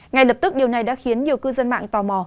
ngay lập tức điều này đã khiến nhiều cư dân mạng tò mò